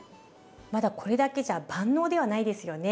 まだこれだけじゃ万能ではないですよね。